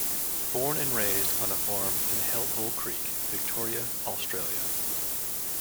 Born and raised on a farm in Hellhole Creek, Victoria, Australia.